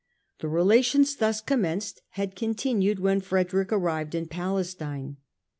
The relations thus commenced had continued when Frederick arrived in Palestine.